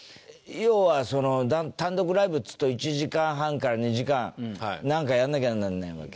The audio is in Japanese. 要は単独ライブっていうと１時間半から２時間なんかやんなきゃなんないわけ。